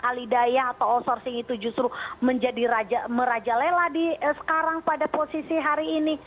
alidayah atau outsourcing itu justru menjadi merajalela sekarang pada posisi hari ini